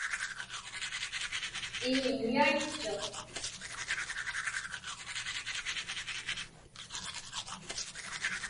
Ii, nuyaitchuq.